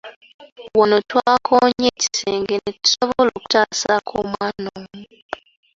Wano twakoonye ekisenge ne tusobola okutaasaako omwana omu.